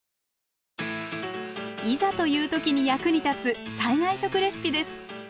いざという時に役に立つ災害食レシピです。